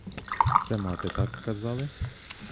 Це мати так казали?